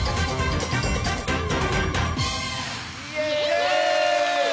イエイ！